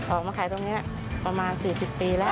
ออกมาขายตรงนี้ประมาณ๔๐ปีแล้ว